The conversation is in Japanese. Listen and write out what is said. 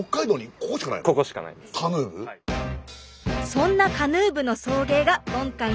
そんなカヌー部の送迎が今回のご依頼。